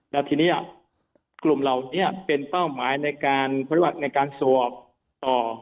แล้วทีนี้กลุ่มเรานี้เป็นเป้าหมายในการพฤหัสในการสวบต่อ